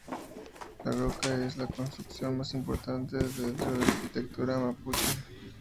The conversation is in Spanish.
La ruca es la construcción más importante dentro de la arquitectura mapuche.